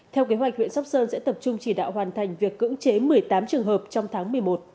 theo kế hoạch huyện sóc sơn sẽ tập trung chỉ đạo hoàn thành việc cưỡng chế một mươi tám trường hợp trong tháng một mươi một